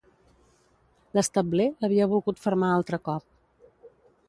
L'establer l'havia volgut fermar altre cop…